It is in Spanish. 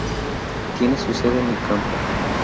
Tiene su sede en El Campo.